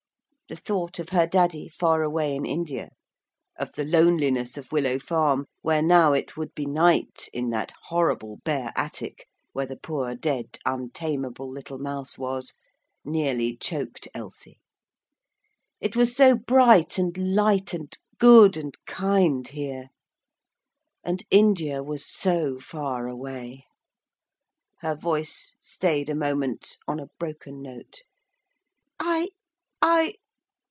The thought of her daddy, far away in India, of the loneliness of Willow Farm, where now it would be night in that horrible bare attic where the poor dead untameable little mouse was, nearly choked Elsie. It was so bright and light and good and kind here. And India was so far away. Her voice stayed a moment on a broken note. 'I I....'